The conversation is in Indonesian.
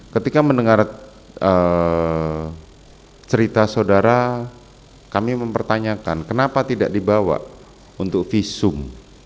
ketika mendengar cerita saudara kami mempertanyakan kenapa tidak dibawa untuk visum